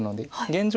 現状